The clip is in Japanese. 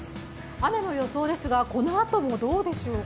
雨の予想ですが、このあともどうでしょうか？